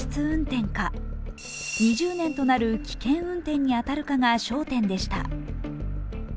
運転か２０年となる危険運転に当たるかが焦点でした。